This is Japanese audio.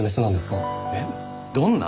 えっどんな？